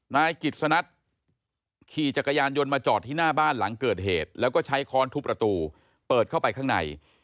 นายกิจสนัทขี่จักรยานยนต์มาจอดที่หน้าบ้านหลังเกิดเหตุแล้วก็ใช้ค้อนทุบประตูเปิดเข้าไปข้างใน